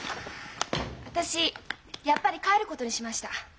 私やっぱり帰ることにしました。